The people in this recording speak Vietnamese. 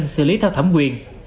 xử lý theo thẩm quyền